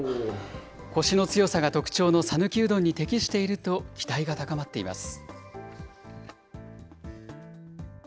コシの強さが特長の讃岐うどんに適していると期待が高まっています。